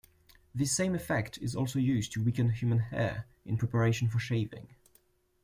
This same effect is also used to weaken human hair in preparation for shaving.